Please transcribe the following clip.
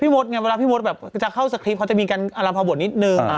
พี่โมทไงเวลาพี่โมทแบบจะเข้าสครีปเค้าจะมีการอรับภาพบทนิดหนึ่ง